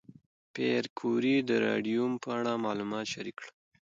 پېیر کوري د راډیوم په اړه معلومات شریک کړل.